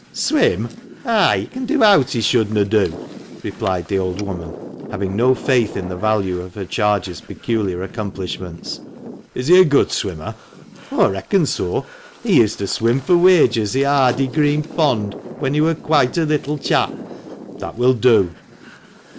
" Swim ? ay, he can do owt he shouldna do," replied the old woman, having no faith in the value of her charge's peculiar accomplishments. " Is he a good swimmer ?"" Aw reckon so ! He used to swim fur wagers i' Ardy (Ardwick) Green Pond when he wur quoite a little chap." "That will do."